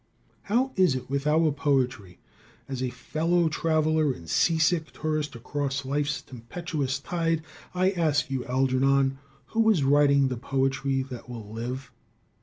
How is it with our poetry? As a fellow traveler and sea sick tourist across life's tempestuous tide, I ask you, Algernon, who is writing the poetry that will live?